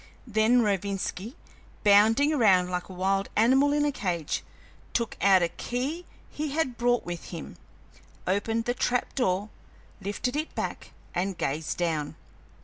Then Rovinski, bounding around like a wild animal in a cage, took out a key he had brought with him, opened the trap door, lifted it back, and gazed down.